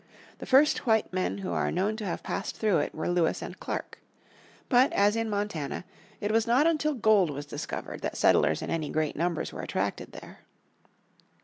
The first white men who are known to have passed through it were Lewis and Clark. But, as in Montana, it was not until gold was discovered that settlers in any great numbers were attracted there.